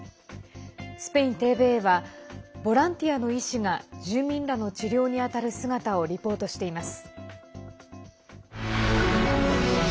スペインＴＶＥはボランティアの医師が住民らの治療に当たる姿をリポートしています。